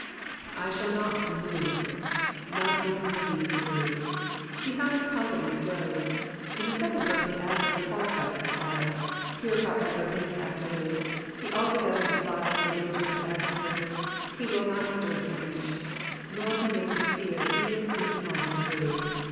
^^ I shall not be m^oved^^ — not even in the least degree. See how his conddence grows. In the second verse an adverb qualified his quiet ; here, however, it is absolute ; he altogether defies the rage of his adversaries, he will not stir an inch, nor be made to fear even in the smallest degree.